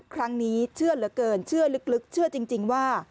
ครั้งนี้เชื่อเหลือเกินเชื่อลึกเชื่อจริงว่า